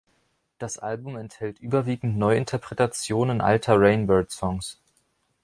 Das Album enthält überwiegend Neuinterpretationen alter Rainbirds-Songs.